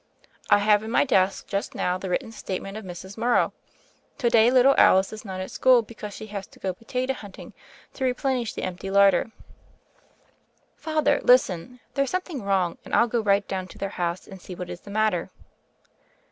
"I have in my desk just now the written statement of Mrs. Morrow. To day little Alice is not at school because she has to go potato hunting to replenish the empty larder." "Father, listen! There's something wrong, and I'll go right down to their house and see what is the matter."